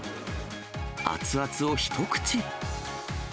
熱々を一口。